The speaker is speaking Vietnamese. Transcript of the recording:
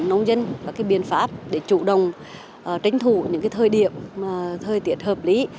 nông dân và biện pháp để chủ đồng tránh thủ những thời điểm thời tiết hợp lý